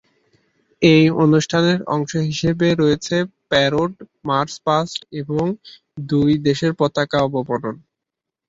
এই অনুষ্ঠানের অংশ হিসেবে রয়েছে প্যারেড, মার্চ-পাস্ট এবং দুই দেশের পতাকা অবনমন।